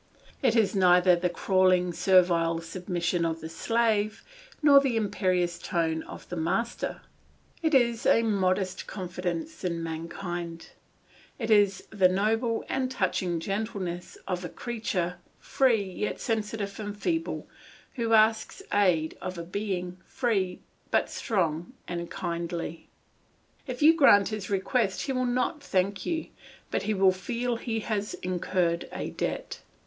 It is neither the crawling, servile submission of the slave, nor the imperious tone of the master, it is a modest confidence in mankind; it is the noble and touching gentleness of a creature, free, yet sensitive and feeble, who asks aid of a being, free, but strong and kindly. If you grant his request he will not thank you, but he will feel he has incurred a debt.